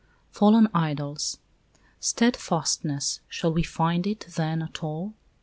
FALLEN IDOLS Stedfastness, shall we find it, then, at all?